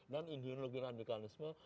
dan ideologi radikalisme